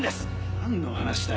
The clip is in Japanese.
なんの話だよ？